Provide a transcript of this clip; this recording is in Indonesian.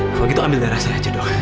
kalau gitu ambil darah saya aja doang